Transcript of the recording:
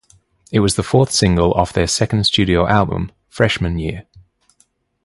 It was the fourth single off their second studio album "Freshman Year".